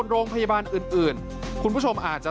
โรงพยาบาลอื่นคุณผู้ชมอาจจะ